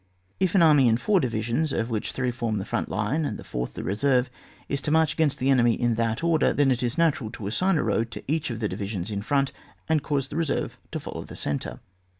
If an army in four divisions, of which three form the front line and the fourth the reserve, is to march against the enemy in that order, then it is natural to assign a road to each of the divisions in front, and cause the reserve to follow the centre.